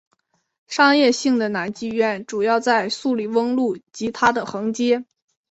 商业性的男妓院主要在素里翁路及它的横街。